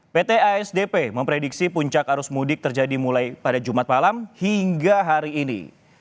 pt asdp memprediksi puncak arus mudik terjadi mulai pada jumat malam hingga hari ini